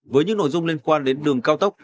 với những nội dung liên quan đến đường cao tốc